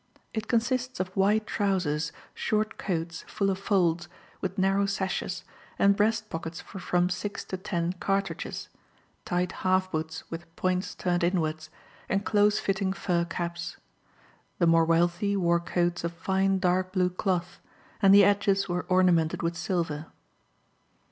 It consists of wide trousers, short coats full of folds, with narrow sashes, and breast pockets for from six to ten cartridges; tight half boots, with points turned inwards, and close fitting fur caps. The more wealthy wore coats of fine dark blue cloth, and the edges were ornamented with silver.